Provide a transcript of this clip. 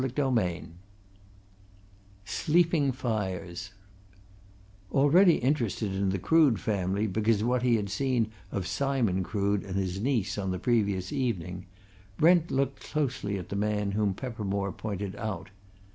CHAPTER V SLEEPING FIRES Already interested in the Crood family because of what he had seen of Simon Crood and his niece on the previous evening, Brent looked closely at the man whom Peppermore pointed out.